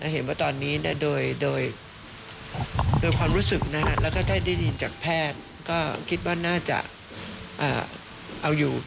เห็นว่าตอนนี้โดยความรู้สึกแล้วก็ถ้าได้ยินจากแพทย์ก็คิดว่าน่าจะเอาอยู่